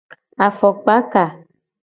Afokpaka.